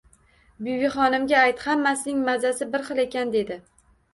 — Bibixonimga ayt: hammasining mazasi bir xil ekan, — dedi.